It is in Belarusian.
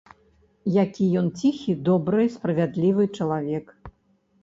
Які ён ціхі, добры, справядлівы чалавек!